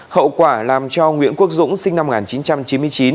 hậu quả làm cho nguyễn quốc dũng sinh năm một nghìn chín trăm chín mươi chín